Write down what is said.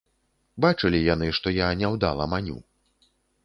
Бачылі яны, што я няўдала маню.